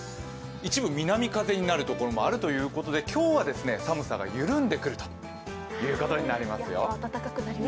一部、南風になるところもあるということで今日は寒さが緩んでくるということになりますよ。